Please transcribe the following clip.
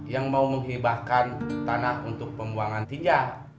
yang mau menghibahkan tanah untuk pembuangan tinja